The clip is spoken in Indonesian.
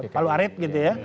palu arit gitu ya